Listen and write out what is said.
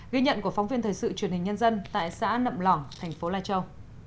ghi nhận của phóng viên thời sự truyền hình nhân dân tại xã nậm lỏng thành phố lai châu